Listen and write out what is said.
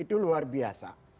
itu luar biasa